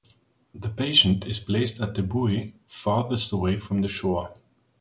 The patient is placed at the buoy farthest away from the shore.